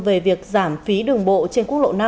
về việc giảm phí đường bộ trên quốc lộ năm